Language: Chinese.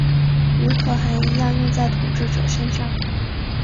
与可汗一样用在统治者身上。